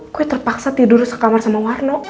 gue terpaksa tidur di kamar sama warno